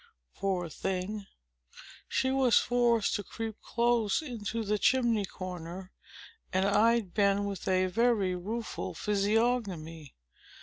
Poor thing! she was forced to creep close into the chimney corner, and eyed Ben with a very rueful physiognomy.